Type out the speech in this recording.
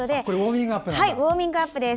ウォーミングアップです。